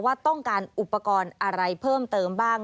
ว่าต้องการอุปกรณ์อะไรเพิ่มเติมบ้าง